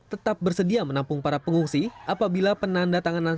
tetap bersedia menampung para pengungsi apabila penanda tanganan